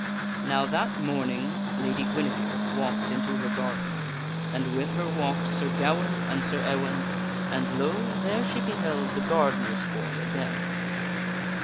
Now that morning Lady Guinevere walked into her garden, and with her walked Sir Gawaine and Sir Ewaine, and lo ! there she beheld the gardener's boy again.